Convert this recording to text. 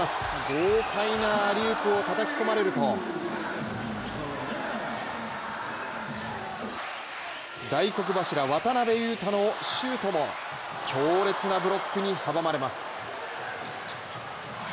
豪快なアリウープをたたき込まれると大黒柱・渡邊雄太のシュートも強烈なブロックに阻まれます。